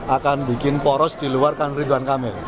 akan bikin poros di luar kang ridwan kamil